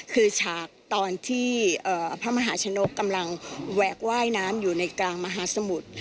คือฉากตอนที่พระมหาชนกกำลังแหวกว่ายน้ำอยู่ในกลางมหาสมุทร